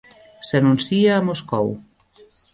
S'anuncia a Moscou